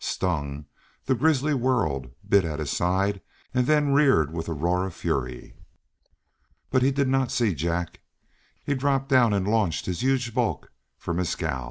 Stung, the grizzly whirled, bit at his side, and then reared with a roar of fury. But he did not see Jack. He dropped down and launched his huge bulk for Mescal.